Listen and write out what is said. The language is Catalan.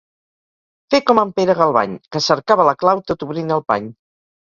Fer com en Pere Galvany, que cercava la clau tot obrint el pany.